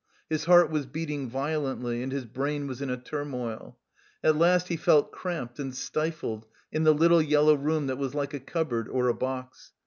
His heart was beating violently, and his brain was in a turmoil. At last he felt cramped and stifled in the little yellow room that was like a cupboard or a box.